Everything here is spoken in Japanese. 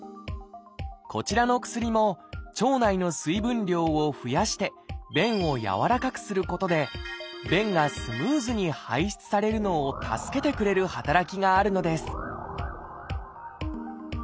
こちらの薬も腸内の水分量を増やして便を軟らかくすることで便がスムーズに排出されるのを助けてくれる働きがあるのです